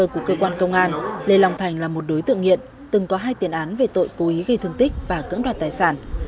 cơ quan công an đã cưỡng đoạt tài sản